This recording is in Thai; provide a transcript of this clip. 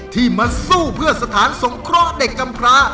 ที่มาสู้เพื่อสถานสงเคราะห์เด็กกำพระ